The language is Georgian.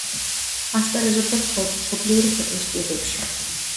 ასპარეზობდა მხოლოდ მშობლიური ქვეყნის კლუბებში.